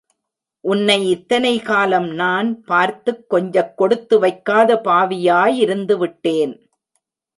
உன்னை இத்தனை காலம் நான் பார்த்துக் கொஞ்சக் கொடுத்து வைக்காத பாவியாய் இருந்து விட்டேன்.